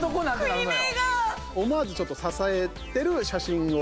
思わず、ちょっと支えている写真を。